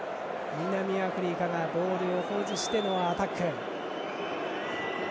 南アフリカがボールを保持してのアタック。